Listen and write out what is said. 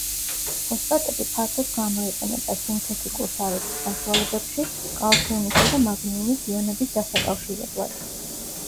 ფოსფატები ფართოდ გამოიყენება სინთეთიკურ სარეცხ საშუალებებში კალციუმისა და მაგნიუმის იონების დასაკავშირებლად.